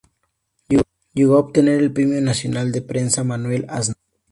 Llegó a obtener el premio nacional de prensa Manuel Aznar.